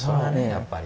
やっぱり。